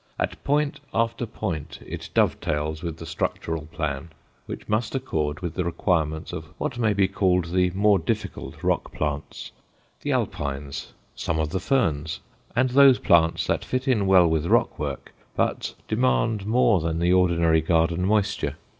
At point after point it dovetails with the structural plan, which must accord with the requirements of what may be called the more difficult rock plants the alpines, some of the ferns, and those plants that fit in well with rock work but demand more than the ordinary garden moisture.